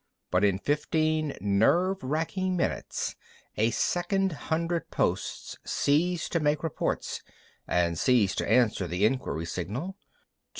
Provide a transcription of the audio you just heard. But in fifteen nerve racking minutes a second hundred posts ceased to make reports and ceased to answer the inquiry signal.